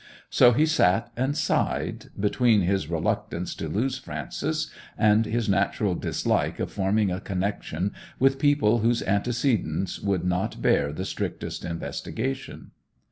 So he sat and sighed, between his reluctance to lose Frances and his natural dislike of forming a connection with people whose antecedents would not bear the strictest investigation.